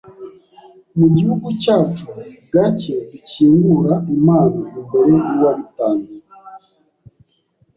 Mu gihugu cyacu gake dukingura impano imbere yuwabitanze.